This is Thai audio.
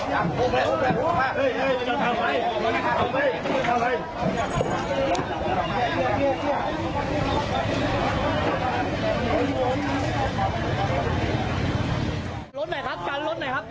เหมือนฝ่าท้ายหน่อยครับ